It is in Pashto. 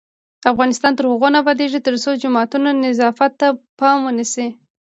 افغانستان تر هغو نه ابادیږي، ترڅو د جوماتونو نظافت ته پام ونشي.